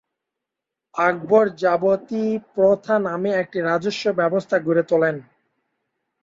আকবর জাবতি প্রথা নামে একটি রাজস্ব ব্যবস্থা গড়ে তোলেন।